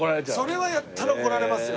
それはやったら怒られますよ。